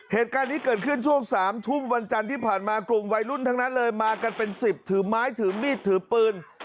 เหตุการณ์นี้เกิดขึ้นช่วง๓ทุ่มวันจันทร์ที่ผ่านมากลุ่มวัยรุ่นทั้งนั้นเลยมากันเป็น๑๐ถือไม้ถือมีดถือปืน